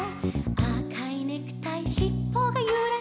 「あかいネクタイシッポがゆらり」